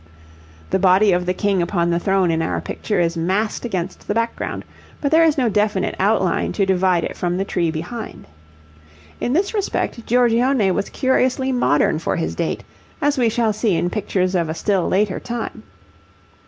The body of the King upon the throne in our picture is massed against the background, but there is no definite outline to divide it from the tree behind. In this respect Giorgione was curiously modern for his date, as we shall see in pictures of a still later time.